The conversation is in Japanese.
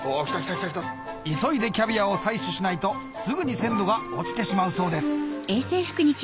急いでキャビアを採取しないとすぐに鮮度が落ちてしまうそうです